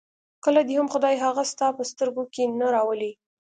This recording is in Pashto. کله دې هم خدای هغه ستا په سترګو کې نه راولي.